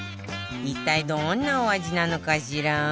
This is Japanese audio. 一体どんなお味なのかしら？